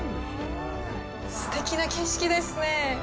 すてきな景色ですね。